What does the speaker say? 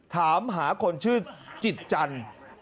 ถามหาคนชื่อจิตจันทร์